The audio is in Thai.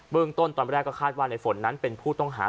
เรื่องต้นตอนแรกก็คาดว่าในฝนนั้นเป็นผู้ต้องหา